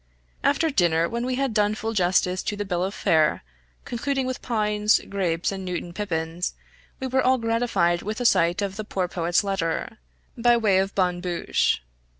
After dinner when we had done full justice to the bill of fare, concluding with pines, grapes, and Newtown pippins, we were all gratified with a sight of the poor poet's letter, by way of bonne bouche.